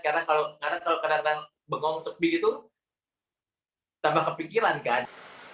karena kalau kadang kadang bengong sepi gitu tambah kepikiran kan